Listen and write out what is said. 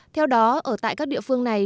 theo đó ở tại các địa phương này